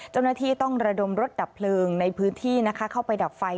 เจ้าหน้าที่ต้องระดมรถดับเพลิงในพื้นที่นะคะเข้าไปดับไฟ